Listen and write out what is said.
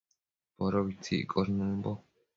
Podobitsi iccosh nëmbo